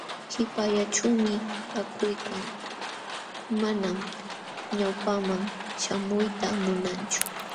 Qipallaćhuumi taakuykan, manam ñawpaqman śhamuyta munanchu.